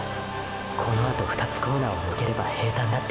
“このあと２つコーナーをぬければ平坦”だって